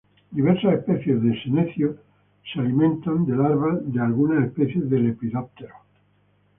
Diversas especies de "Senecio" son alimento de larvas de algunas especies de Lepidoptera.